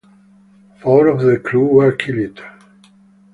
Four of the crew were killed.